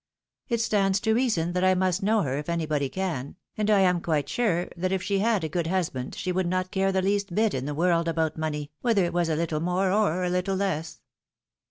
It stands to reason that I must know her if anybody can ; and I am quite certain sure that if she had a good husband she would not care the least bit in the world about money, whether it was a little more or a little less."